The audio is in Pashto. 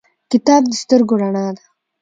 کتاب د سترګو رڼا ده